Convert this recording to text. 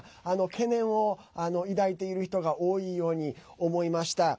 懸念を抱いている人が多いように思いました。